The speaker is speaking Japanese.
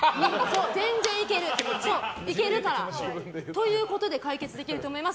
全然いけるからということで解決できると思います。